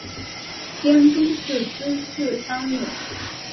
监督是芝山努。